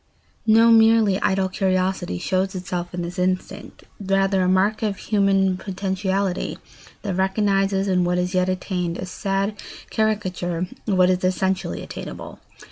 No merely idle curiosity shows itself in this instinct; rather a mark of human potentiality that recognises in what is yet attained a sad caricature of what is essentially attainable.